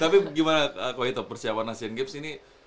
tapi gimana kalo gitu persiapan asian games ini